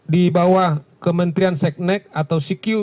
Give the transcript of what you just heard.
di bawah kementrian seknek atau sikiu